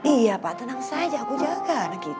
iya pak tenang saja aku jaga anak kita